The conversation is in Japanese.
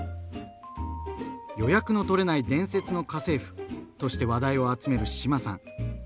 「予約のとれない伝説の家政婦」として話題を集める志麻さん。